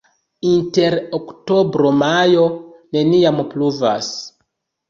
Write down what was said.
Inter oktobro-majo neniam pluvas.